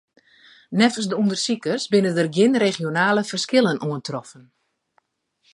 Neffens de ûndersikers binne der gjin regionale ferskillen oantroffen.